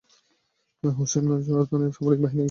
হোসেন জর্দানের সামরিক বাহিনীর একজন মেজর জেনারেল।